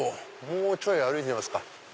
もうちょい歩いてみますか。